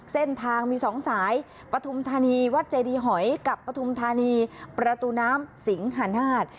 เส้นทางมี๒สายปฐุมธานีวัดเจดีหอยกับปฐุมธานีประตูน้ำสิงหานาฏ